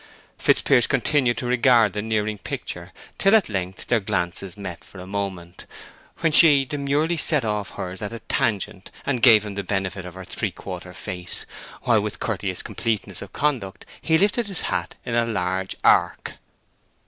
Fitzpiers continued to regard the nearing picture, till at length their glances met for a moment, when she demurely sent off hers at a tangent and gave him the benefit of her three quarter face, while with courteous completeness of conduct he lifted his hat in a large arc.